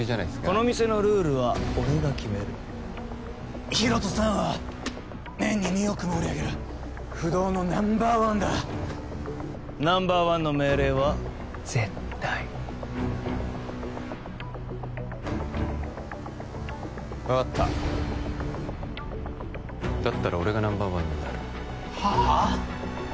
この店のルールは俺が決めるヒロトさんは年に２億も売り上げる不動のナンバーワンだナンバーワンの命令は絶対分かっただったら俺がナンバーワンになるはあ？